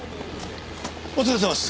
お疲れさまです。